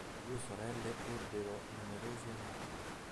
Le due sorelle ebbero numerosi amanti.